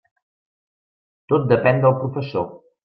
Tot depén del professor.